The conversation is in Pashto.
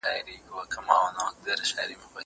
هغه څوک چي انځور ګوري زده کوي!؟